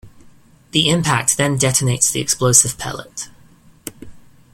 The impact then detonates the explosive pellet.